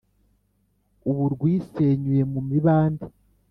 Ubu rwisenyuye mu mibande,